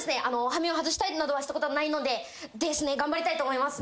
羽目を外したりなどはしたことないのでですね頑張りたいと思います。